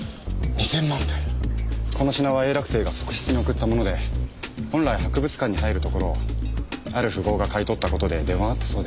この品は永楽帝が側室に贈ったもので本来博物館に入るところをある富豪が買い取った事で出回ったそうです。